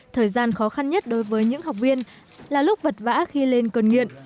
thời gian khó khăn nhất đối với những học viên là lúc vật vã khi lên cơn nghiện